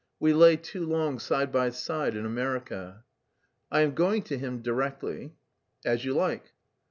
We lay too long side by side in America." "I am going to him directly." "As you like."